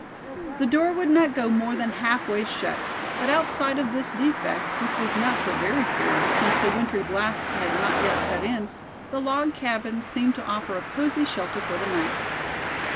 The door would not go more than half way shut, but outside of this defect, which was not so very serious, since the wintry blasts had not yet set in, the log cabin seemed to offer a cozy shelter for the night.